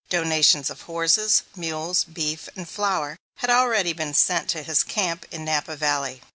Donations of horses, mules, beef, and flour had already been sent to his camp in Napa Valley.